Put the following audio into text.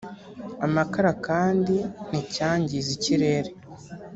amakara kandi nticyangize ikirere